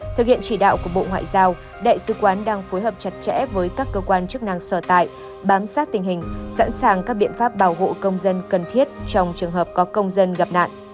thực hiện chỉ đạo của bộ ngoại giao đại sứ quán đang phối hợp chặt chẽ với các cơ quan chức năng sở tại bám sát tình hình sẵn sàng các biện pháp bảo hộ công dân cần thiết trong trường hợp có công dân gặp nạn